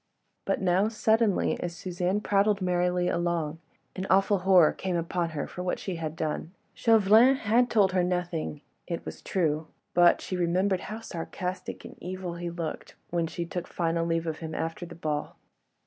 But now, suddenly, as Suzanne prattled merrily along, an awful horror came upon her for what she had done. Chauvelin had told her nothing, it was true; but she remembered how sarcastic and evil he looked when she took final leave of him after the ball.